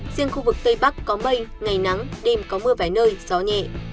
riêng khu vực tây bắc có mây ngày nắng đêm có mưa vài nơi gió nhẹ